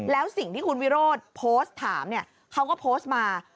แล้วสิ่งที่คุณวิโรธโพสต์ถามเนี่ยเขาก็โพสต์มา